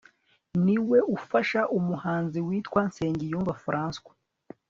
ni we ufasha umuhanzi witwa nsengiyumva francois